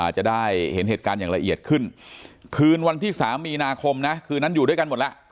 จะได้เห็นเหตุการณ์อย่างละเอียดขึ้นคืนวันที่๓มีนาคมนะคืนนั้นอยู่ด้วยกันหมดแล้ว